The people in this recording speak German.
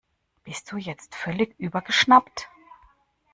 Bist du jetzt völlig übergeschnappt?